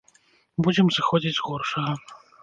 Будзем сыходзіць з горшага.